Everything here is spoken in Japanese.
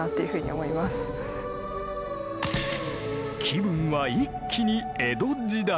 気分は一気に江戸時代！